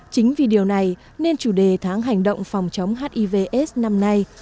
chính vì điều này nên chủ đề tháng hành động phòng chống hiv aids năm nay